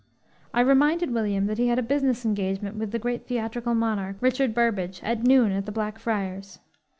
I reminded William that he had a business engagement with the great theatrical monarch, Richard Burbage, at noon at the Blackfriars.